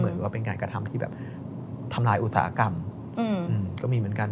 หรือว่าเป็นการกระทำที่แบบทำลายอุตสาหกรรมก็มีเหมือนกัน